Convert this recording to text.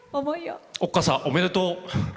おっかさん、おめでとう！